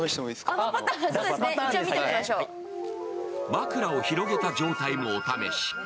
枕を広げた状態もお試し。